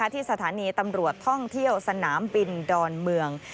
ที่สถานีตำรวจท่องเที่ยวสนามบินดอนเมือง